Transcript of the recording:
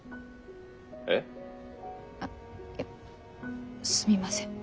えっ？あっすみません。